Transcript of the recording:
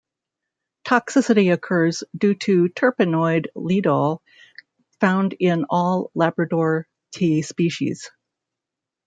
Toxicity occurs due to terpenoid ledol found in all Labrador tea species.